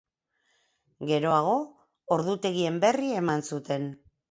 Geroago, ordutegien berri eman zuten.